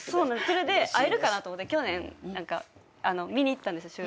それで会えるかなと思って去年見に行ったんです収録を。